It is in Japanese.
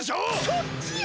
そっちよ！